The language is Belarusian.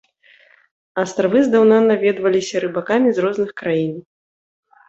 Астравы здаўна наведваліся рыбакамі з розных краін.